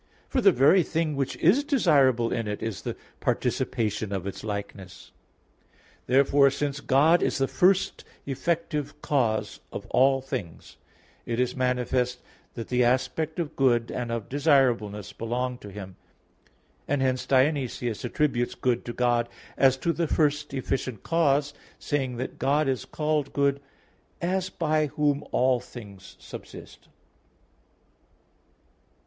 For the very thing which is desirable in it is the participation of its likeness. Therefore, since God is the first effective cause of all things, it is manifest that the aspect of good and of desirableness belong to Him; and hence Dionysius (Div. Nom. iv) attributes good to God as to the first efficient cause, saying that, God is called good "as by Whom all things subsist."